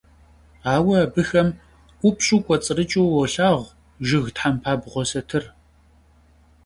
Aue abıxem 'Upş'u k'uets'rıç'ıu vuolhağu jjıg thempabğue satır.